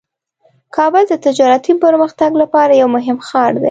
کابل د تجارتي پرمختګ لپاره یو مهم ښار دی.